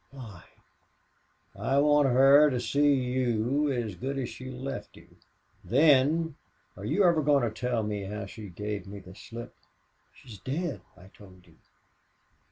"Why?" "I want her to see you as good as she left you. Then!... Are you ever going to tell me how she gave me the slip?" "She's dead, I told you."